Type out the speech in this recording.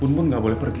bun bun gak boleh pergi